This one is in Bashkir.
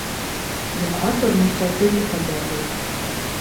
Юҡһа, тормошта төрлө хәлдәр була.